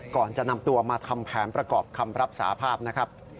ก่อนจะนำตัวมาทำแผนประกอบคำรับสาภาพนะครับ